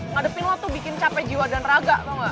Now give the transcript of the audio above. ngadepin lo tuh bikin capek jiwa dan raga tau gak